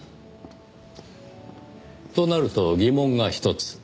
となると疑問がひとつ。